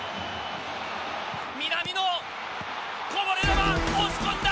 南野、こぼれ球、押し込んだ！